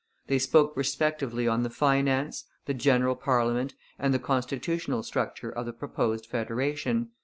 They spoke respectively on the finance, the general parliament, and the constitutional structure of the proposed federation.